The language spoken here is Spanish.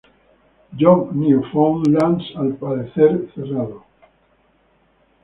John, Newfoundland, al parecer cerrado.